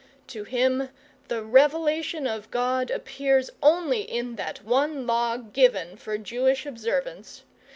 To him, the revelation of God appears in that one law given for Jewish observance.